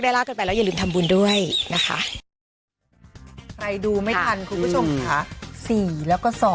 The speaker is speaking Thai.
ได้ราคาไปแล้วอย่าลืมทำบุญด้วยนะคะใครดูไม่ทันคุณผู้ชมค่ะ๔แล้วก็